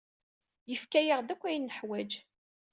Yefka-yaɣ-d akk ayen neḥwaǧ.